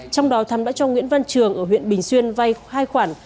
trong đó thắm đã cho nguyễn văn trường ở huyện bình xuyên vay hai khoản